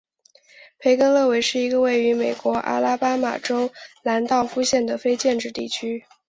培根勒韦是一个位于美国阿拉巴马州兰道夫县的非建制地区。